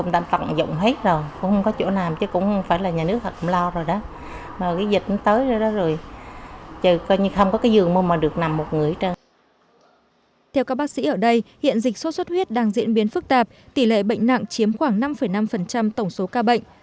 theo các bác sĩ ở đây hiện dịch sốt xuất huyết đang diễn biến phức tạp tỷ lệ bệnh nặng chiếm khoảng năm năm tổng số ca bệnh